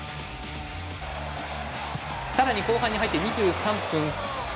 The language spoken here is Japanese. さらに後半に入って２３分。